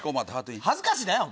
恥ずかしないよ！